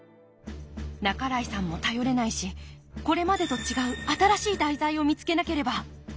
半井さんも頼れないしこれまでと違う新しい題材を見つけなければ。